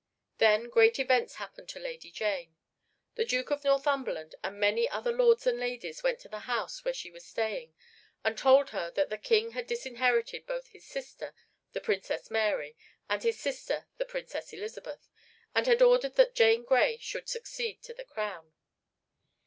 Then great events happened to Lady Jane. The Duke of Northumberland and many other lords and ladies went to the house where she was staying and told her that the King had disinherited both his sister the Princess Mary and his sister the Princess Elizabeth, and had ordered that Jane Grey should succeed to the crown.